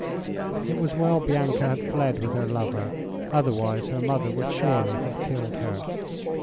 It was well Bianca had fled with her lover; otherwise her mother would surely have killed her.